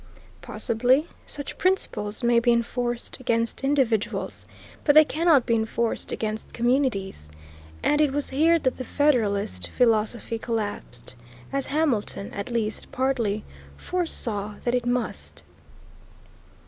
Possibly such principles may be enforced against individuals, but they cannot be enforced against communities, and it was here that the Federalist philosophy collapsed, as Hamilton, at least partly, foresaw that it must.